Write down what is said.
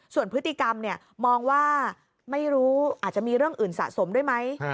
ส่วนพฤติกรรมมองว่าไม่รู้อาจจะมีเรื่องอื่นสะสมด้วยไหม